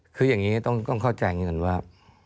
คืออย่างนี้ต้องเข้าใจก่อนว่า